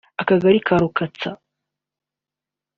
Akagari ka Rukatsa